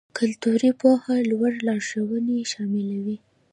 کلتوري پوهه لوړ لارښوونې شاملوي.